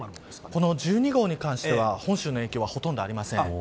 この１２号に関しては本州への影響はほとんどありません。